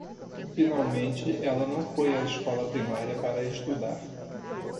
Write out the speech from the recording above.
Finalmente, ela não foi à escola primária para estudar.